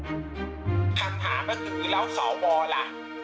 คำถามก็คือแล้วสวล่ะ